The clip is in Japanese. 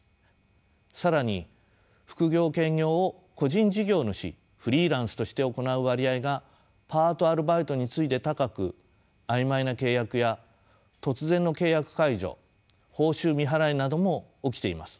更に副業・兼業を個人事業主フリーランスとして行う割合がパートアルバイトに次いで高く曖昧な契約や突然の契約解除報酬未払いなども起きています。